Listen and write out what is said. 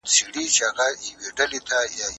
زه له سهاره کتابتون ته راځم